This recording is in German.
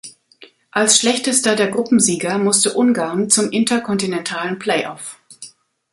Als Schlechtester der Gruppensieger musste Ungarn zum interkontinentalen Playoff.